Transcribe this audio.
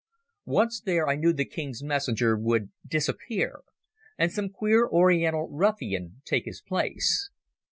Once there I knew the King's Messenger would disappear, and some queer Oriental ruffian take his place.